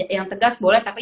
yang tegas boleh tapi